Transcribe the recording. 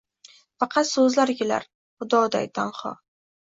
Faqat soʻzlar kelar, xudoday tanho